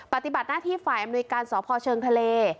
ปฏิบัติหน้าที่ฝ่ายอำนวยการสพเชิงทะเล